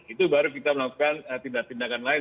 itu baru kita melakukan tindak tindakan lain